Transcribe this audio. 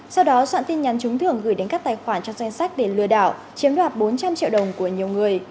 sau đó soạn tin nhắn trúng thưởng gửi đến các tài khoản trong danh sách để lừa đảo chiếm đoạt bốn trăm linh triệu đồng của nhiều người